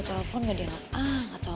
kalau gue bisa ambil bau empat pun